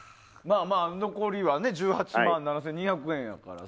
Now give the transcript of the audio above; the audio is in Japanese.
残りは１８万７２００円ですから。